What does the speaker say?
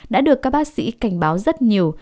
đã được các bác sĩ cảnh báo rất nhiều